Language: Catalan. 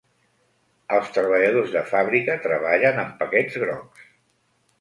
Els treballadors de fàbrica treballen amb paquets grocs.